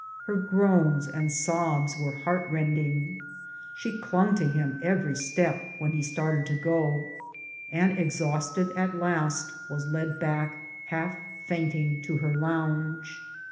Her groans and sobs were heart rending. She clung to him every step when he started to go, and exhausted at last, was led back, half fainting, to her lounge.